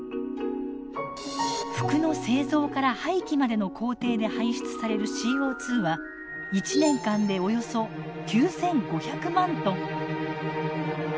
服の製造から廃棄までの工程で排出されるＣＯ２は１年間でおよそ９，５００万トン。